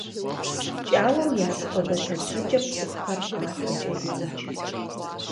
ПкӀауэм и апхуэдэ лъэтэкӀэм цӀыхухэр къафэкӀэ йоджэ.